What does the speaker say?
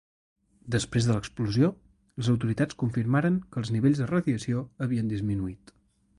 Després de l'explosió les autoritats confirmaren que els nivells de radiació havien disminuït.